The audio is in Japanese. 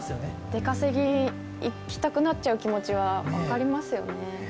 出稼ぎに行きたくなっちゃう気持ちは分かりますよね。